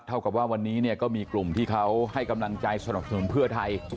เท่ากับว่าวันนี้เนี่ยก็มีกลุ่มที่เขาให้กำลังใจสนับสนุนเพื่อไทย